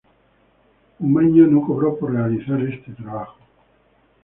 Umaña no cobró por realizar este trabajo.